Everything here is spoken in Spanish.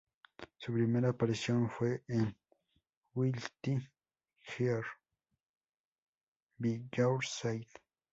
Su primera aparición fue en Guilty Gear X: By Your Side.